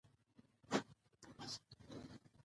سیاسي جوړښت د قانون تابع دی